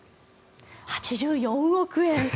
８４億円。